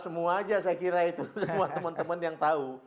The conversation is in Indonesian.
semua aja saya kira itu semua teman teman yang tahu